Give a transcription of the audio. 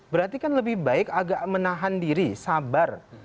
berarti kan lebih baik agak menahan diri sabar